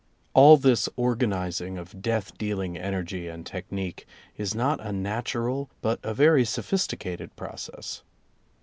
All this organizing of death dealing energy and technique is not a natural but a very sophisticated process.